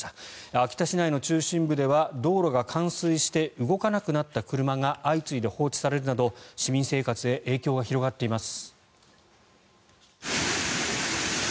秋田市内の中心部では動かなくなった車が相次いで放置されるなど市民生活へ影響が広がっています。